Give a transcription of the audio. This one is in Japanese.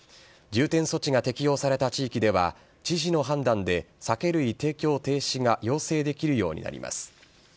重点措置が適用された地域では、知事の判断で、酒類提供停止が要請できるようになります。